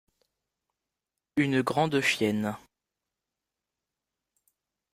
Une grande chienne.